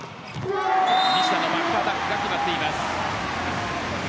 西田のバックアタックが決まっています。